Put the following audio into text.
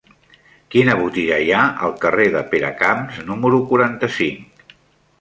Quina botiga hi ha al carrer de Peracamps número quaranta-cinc?